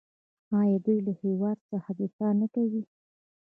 آیا دوی له هیواد څخه دفاع نه کوي؟